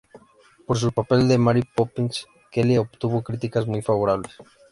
Por su papel de Mary Poppins, Kelly obtuvo críticas muy favorables.